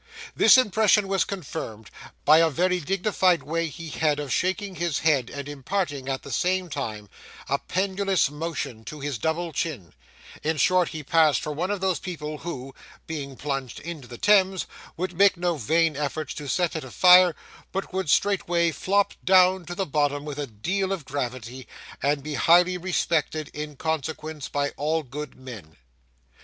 This impression was confirmed by a very dignified way he had of shaking his head and imparting, at the same time, a pendulous motion to his double chin; in short, he passed for one of those people who, being plunged into the Thames, would make no vain efforts to set it afire, but would straightway flop down to the bottom with a deal of gravity, and be highly respected in consequence by all good men.